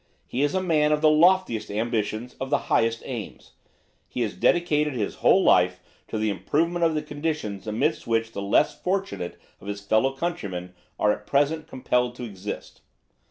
He is a man of the loftiest ambitions, of the highest aims. He has dedicated his whole life to the improvement of the conditions amidst which the less fortunate of his fellow countrymen are at present compelled to exist.